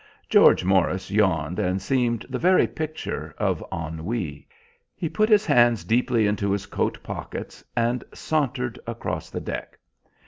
George Morris yawned, and seemed the very picture of ennui. He put his hands deeply into his coat pockets, and sauntered across the deck.